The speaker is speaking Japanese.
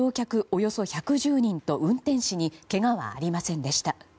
およそ１１０人と運転士にけがはありませんでした。